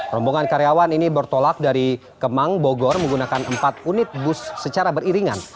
rombongan karyawan ini bertolak dari kemang bogor menggunakan empat unit bus secara beriringan